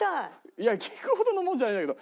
いや聴くほどのものじゃないんだけど。